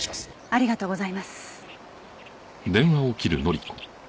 ありがとうございます。